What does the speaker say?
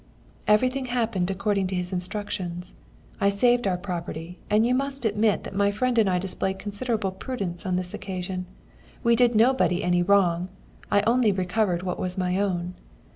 "Everything happened according to his instructions. I saved our property, and you must admit that my friend and I displayed considerable prudence on this occasion. We did nobody any wrong: I only recovered what was my own.